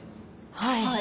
はい。